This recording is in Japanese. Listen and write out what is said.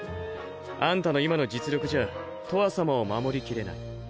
アンタの今の実力じゃとわさまを護りきれない。